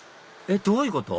えっどういうこと？